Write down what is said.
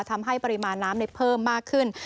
ทำให้ปริมาณน้ำเพิ่มมากขึ้น